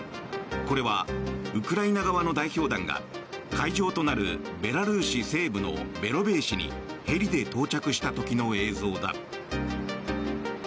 これはウクライナ側の代表団が会場となるベラルーシ西部のベロベーシにヘリで到着した時の映像だ。